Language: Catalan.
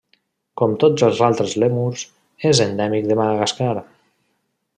Com tots els altres lèmurs, és endèmic de Madagascar.